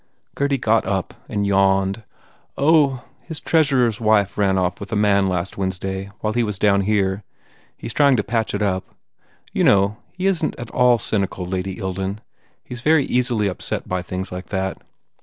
Gurdy got up and yawned, "Oh, his treasurer s wife ran off with a man last Wednesday while he was down here. He s trying to patch it up. You know, he isn t at all cynical, Lady Ilden. He s very easily upset by things like that."